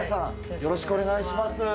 よろしくお願いします。